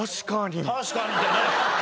「確かに！」じゃない。